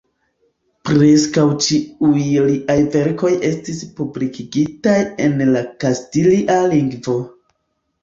Preskaŭ ĉiuj liaj verkoj estis publikigitaj en la kastilia lingvo.